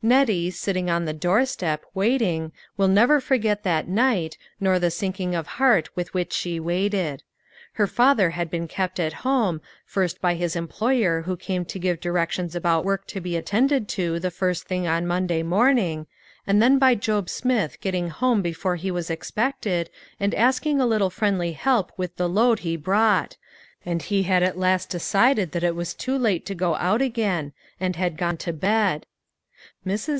Nettie, sitting on the doorstep, waiting, will never forget that night, nor the sinking of heart with which she waited. Her father had been kept at home, first by his employer who came to give directions about work to be at tended to the first thing on Monday morning, and then by Job Smith getting home before he was expected and asking a little friendly help with the load he brought ; and he had at last 286 LITTLE FISHERS: AND THEIE NETS. decided that it was too late to go out again, and had gone to bed. Mrs.